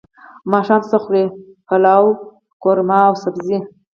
ماښام څه خورئ؟ پلاو، قورمه او سبزی